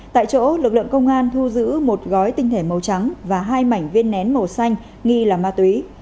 tại chỗ lực lượng công an thu giữ một gói tinh thể màu trắng và hai mảnh viên nén màu xanh nghi là ma túy